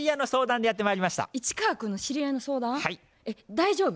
大丈夫？